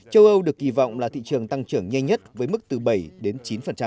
châu âu được kỳ vọng là thị trường tăng trưởng nhanh nhất với mức từ bảy đến chín